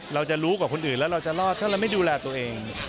เราจะรู้กว่าคนอื่นแล้วเราจะรอดถ้าเราไม่ดูแลตัวเอง